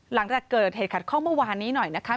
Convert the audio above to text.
หลังจากเกิดเหตุขัดข้องเมื่อวานนี้หน่อยนะคะ